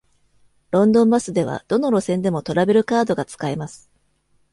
ロンドンバスでは、どの路線でもトラベルカードが使えます。